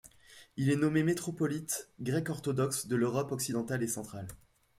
Il est nommé métropolite grec-orthodoxe de l'Europe occidentale et centrale.